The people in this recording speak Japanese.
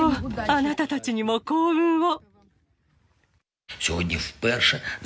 あなたたちにも幸運を。